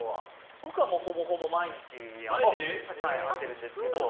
僕は、ほぼほぼ毎日会ってるんですけど。